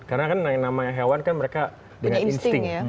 karena kan namanya hewan kan mereka punya insting